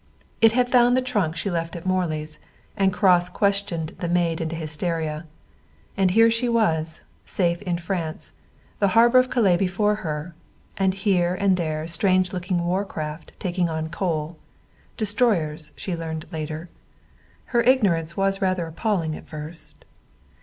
It had found the trunk she left at Morley's, and cross questioned the maid into hysteria and here she was, safe in France, the harbor of Calais before her, and here and there strange looking war craft taking on coal. Destroyers, she learned later. Her ignorance was rather appalling at first.